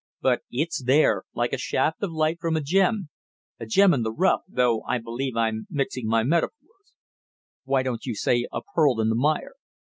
But it's there, like a shaft of light from a gem, a gem in the rough though I believe I'm mixing my metaphors." "Why don't you say a pearl in the mire?"